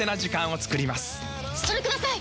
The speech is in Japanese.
それください！